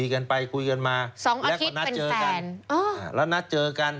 อยู่กันไปคุยกันมา๒อาทิตย์เป็นแฟน